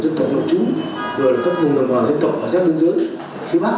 các trẻ em các trường dân tộc các vùng đồng hòa dân tộc rất đứng dưới phía bắc